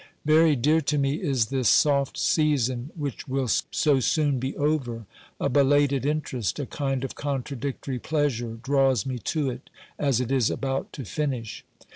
Very dear to me is this soft season which will OBERMANN 83 so soon be over ; a belated interest, a kind of contradictory pleasure, draws me to it as it is about to finish.